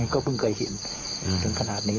ก็เพิ่งเคยเห็นถึงขนาดนี้